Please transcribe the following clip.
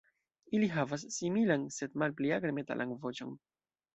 Ili havas similan, sed malpli akre metalan voĉon.